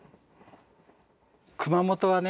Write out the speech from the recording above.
熊本はね